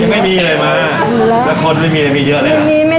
พวกเมียแกไม่มี